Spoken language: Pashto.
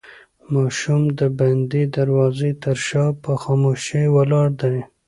ماشوم د بندې دروازې تر شا په خاموشۍ ولاړ دی.